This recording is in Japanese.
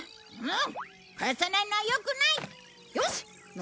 ん？